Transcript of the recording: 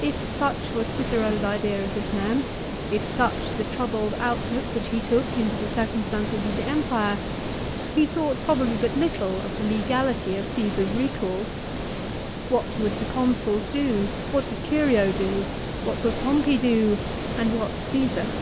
If such was Cicero's idea of this man, if such the troubled outlook which he took into the circumstances of the Empire, he thought probably but little of the legality of Caesar's recall. What would the Consuls do, what would Curio do, what would Pompey do, and what Caesar?